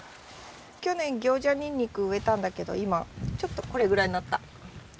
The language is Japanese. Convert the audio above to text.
去年行者ニンニク植えたんだけど今ちょっとこれぐらいになった。